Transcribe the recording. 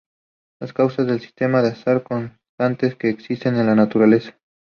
Las causas de sistemas de azar constantes que existen en la naturaleza.